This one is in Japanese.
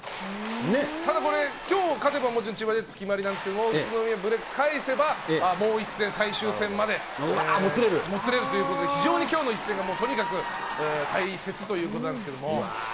ただこれ、きょう勝てば、千葉ジェッツ決まりなんですけど、宇都宮ブレックス返せば、もう１もつれる？もつれるということで、非常にきょうの１戦が、大切ということなんですけど。